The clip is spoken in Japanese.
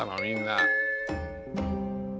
みんな。